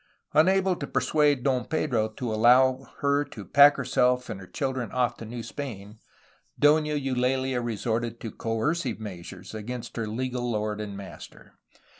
Unable to persuade Don Pedro to allow her to pack herself and her children off to New Spain, Dona Eulaha resorted to coercive measures against her legal lord and master.